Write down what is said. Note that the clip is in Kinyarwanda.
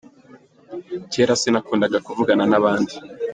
kera sinakundaga kuvugana nabandi